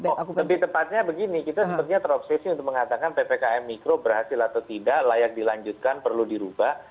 lebih tepatnya begini kita sepertinya terobsesi untuk mengatakan ppkm mikro berhasil atau tidak layak dilanjutkan perlu dirubah